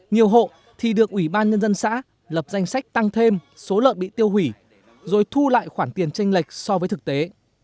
nhiều hộ thì được ủy ban nhân dân xã lập danh sách tăng thêm số lợn bị tiêu hủy rồi thu lại khoản tiền tranh lệch so với thực tế